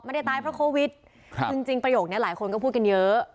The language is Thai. ตายเพราะโควิดจริงจริงประโยคนี้หลายคนก็พูดกันเยอะ